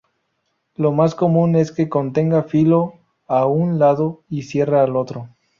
Lo más común es que contenga filo a un lado y sierra al otro.